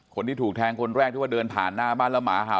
คนที่ถูกแทงคนแรกที่ว่าเดินผ่านหน้าบ้านแล้วหมาเห่า